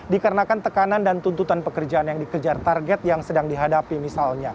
dikarenakan tekanan dan tuntutan pekerjaan yang dikejar target yang sedang dihadapi misalnya